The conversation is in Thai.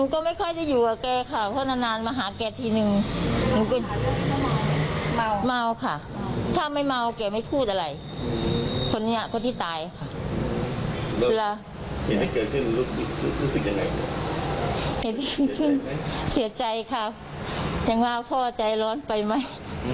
แก่เอ็ดเสียใจครับอะวาวพ่อใจร้อนไปไหม